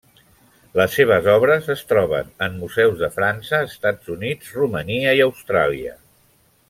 Les seves obres es troben en museus de França, Estats Units, Romania i Austràlia.